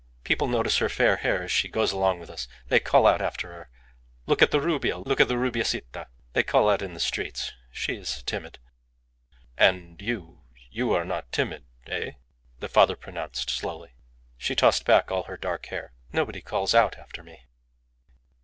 "People notice her fair hair as she goes along with us. They call out after her, 'Look at the Rubia! Look at the Rubiacita!' They call out in the streets. She is timid." "And you? You are not timid eh?" the father pronounced, slowly. She tossed back all her dark hair. "Nobody calls out after me."